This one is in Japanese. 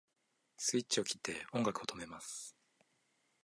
スイッチを切って音楽を止めます